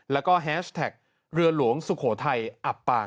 แล้วก็แฮชแท็กเรือหลวงสุโขทัยอับปาง